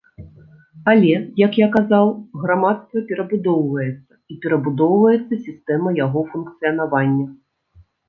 Але, як я казаў, грамадства перабудоўваецца, і перабудоўваецца сістэма яго функцыянавання.